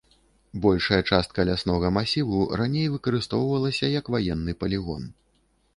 Большая частка ляснога масіву раней выкарыстоўвалася як ваенны палігон.